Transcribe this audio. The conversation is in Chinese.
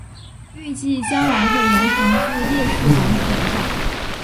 预计将来会延长至烈士广场站。